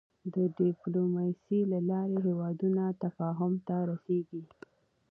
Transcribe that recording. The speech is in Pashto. د د ډيپلوماسی له لارې هېوادونه تفاهم ته رسېږي.